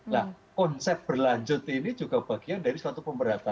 nah konsep berlanjut ini juga bagian dari suatu pemberantasan